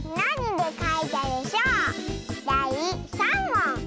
だい３もん！